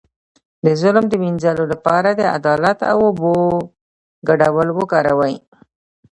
د ظلم د مینځلو لپاره د عدالت او اوبو ګډول وکاروئ